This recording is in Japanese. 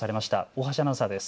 大橋アナウンサーです。